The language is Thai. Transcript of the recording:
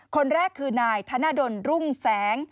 คนแรกคือนายธนดลรุ่งแสง